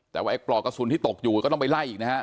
แต่ว่าไอ้ปลอกกระสุนที่ตกอยู่ก็ต้องไปไล่อีกนะฮะ